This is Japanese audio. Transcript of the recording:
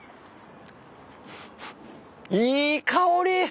いい香り！